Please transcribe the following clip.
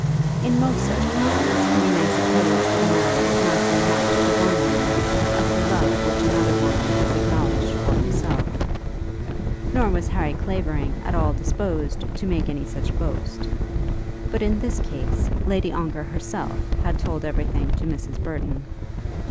In most such cases we may suppose that a man does not say much to one woman of the love which another woman has acknowledged for himself. Nor was Harry Clavering at all disposed to make any such boast. But in this case, Lady Ongar herself had told everything to Mrs. Burton.